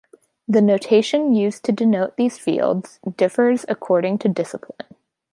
The notation used to denote these fields differs according to discipline.